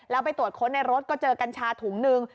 แล้วไปตรวจค้นในรถก็เจอกัญชาถุงนึง